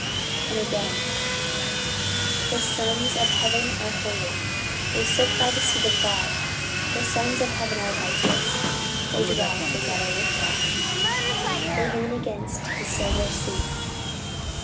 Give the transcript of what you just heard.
And again "The sons of heaven are holy, They sit by the seat of God, The sons of heaven are righteous, They dwell together with God; They lean against his silver seat."